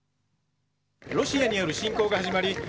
ロシアによる侵攻が始まり